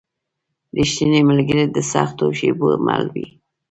رښتینی ملګری د سختو شېبو مل وي.